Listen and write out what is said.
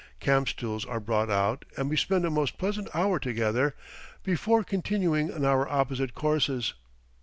Camp stools are brought out, and we spend a most pleasant hour together, before continuing on our opposite courses.